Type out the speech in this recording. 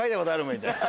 みたいな。